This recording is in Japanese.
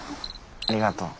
ありがとう。